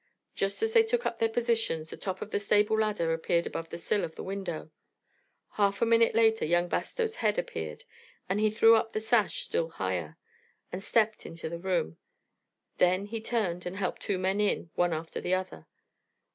Just as they took up their positions the top of the stable ladder appeared above the sill of the window. Half a minute later young Bastow's head appeared, and he threw up the sash still higher, and stepped into the room; then he turned and helped two men in, one after the other.